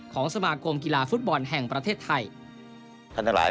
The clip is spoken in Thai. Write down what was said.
ของสมาคมกีฬาฟุตบอลแห่งประเทศไทย